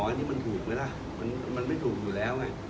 อันนี้มันถูกไหมล่ะมันไม่ถูกอยู่แล้วไง